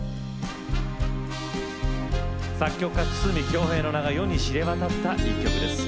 作曲家筒美京平の名が世に知れ渡った一曲です。